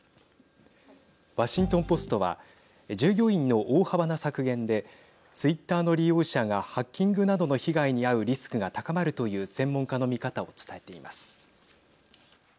ワシントン・ポストは従業員の大幅な削減でツイッターの利用者がハッキングなどの被害に遭うリスクが高まるという専門家の見方を伝えています。